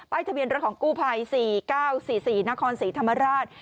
ทะเบียนรถของกู้ภัย๔๙๔๔นครศรีธรรมราช